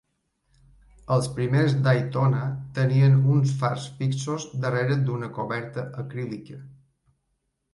Els primers Daytona tenien uns fars fixos darrere d'una coberta acrílica.